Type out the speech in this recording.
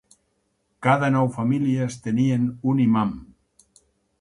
Cada nou famílies tenien un imam.